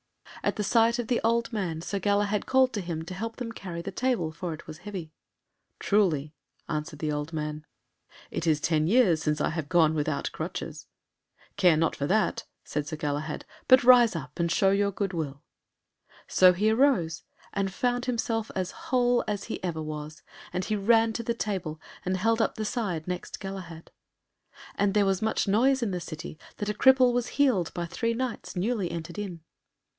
At the sight of the old man Sir Galahad called to him to help them carry the table, for it was heavy. "Truly," answered the old man, "it is ten years since I have gone without crutches." "Care not for that," said Galahad, "but rise up and show your good will." So he arose and found himself as whole as ever he was, and he ran to the table and held up the side next Galahad. And there was much noise in the city that a cripple was healed by three Knights newly entered in.